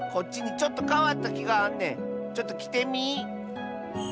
ちょっときてみ。